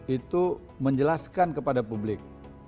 itu menjelaskan kepada publik